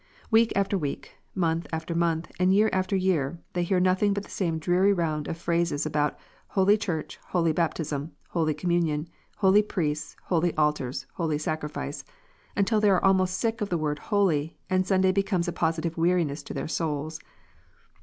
Week after week, and month after month, and year after year, they hear nothing but the same dreary round of phrases about "holy Church, holy baptism, holy communion, holy priests, holy altars, holy sacrifice," until they are almost sick of the word "holy," and Sunday becomes a positive weariness to their souls.